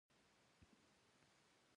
مقدسه ډېره ښکلې پټاسه جینۍ ده